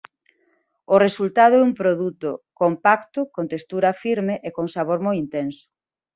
O resultado é un produto compacto con textura firme e con sabor moi intenso.